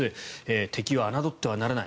敵を侮ってはならない。